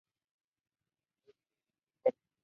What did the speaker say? Oeste: Benito Juárez.